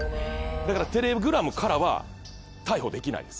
だからテレグラムからは逮捕できないです。